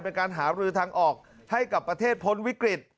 การหารือทางออกให้กับประเทศพ้นวิกฤต